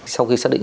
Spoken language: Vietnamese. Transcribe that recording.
sau khi xác định